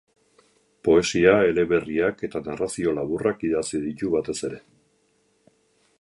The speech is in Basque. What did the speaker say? Poesia, eleberriak eta narrazio laburrak idatzi ditu batez ere.